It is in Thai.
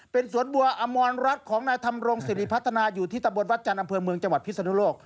เป็นสวนบัวอมรรัฐของนายธรรมรงสิริพัฒนาอยู่ที่ตะบนวัดจันทร์อำเภอเมืองจังหวัดพิศนุโลก